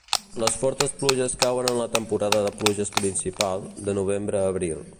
Les fortes pluges cauen en la temporada de pluges principal, de novembre a abril.